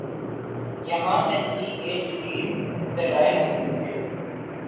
یہاںتحقیق کے جدید ذرائع موجود ہیں۔